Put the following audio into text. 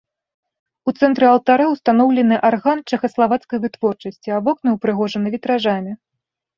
У цэнтры алтара ўстаноўлены арган чэхаславацкай вытворчасці, а вокны ўпрыгожаны вітражамі.